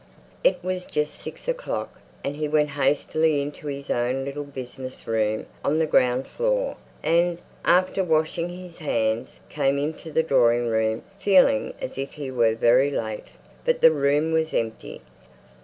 It was just six o'clock, and he went hastily into his own little business room on the ground floor, and, after washing his hands, came into the drawing room feeling as if he were very late, but the room was empty.